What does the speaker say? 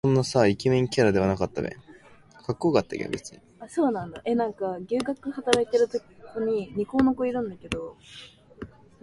以てセーターを着ているように見せかけていたのです